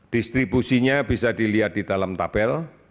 distribusinya bisa dilihat di dalam tabel